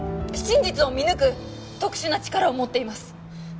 真実を見抜く特殊な力を持っています。